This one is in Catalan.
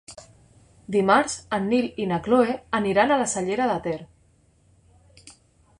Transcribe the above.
Dimarts en Nil i na Cloè aniran a la Cellera de Ter.